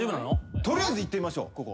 取りあえずいってみましょうここ。